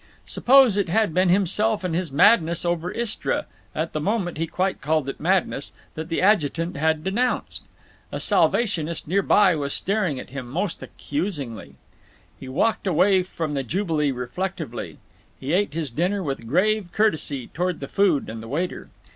Suppose it had been himself and his madness over Istra—at the moment he quite called it madness—that the Adjutant had denounced! A Salvationist near by was staring at him most accusingly…. He walked away from the jubilee reflectively. He ate his dinner with a grave courtesy toward the food and the waiter.